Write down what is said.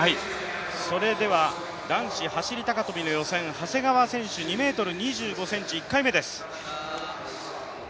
それでは、男子走高跳の予選長谷川選手２ｍ２５ｃｍ、１回目です。